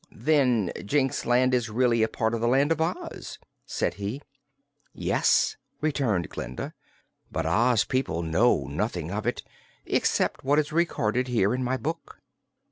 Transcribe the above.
"Then Jinxland is really a part of the Land of Oz," said he. "Yes," returned Glinda, "but Oz people know nothing of it, except what is recorded here in my book."